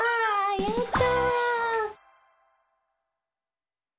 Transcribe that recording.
やった！